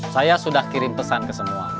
saya sudah kirim pesan ke semua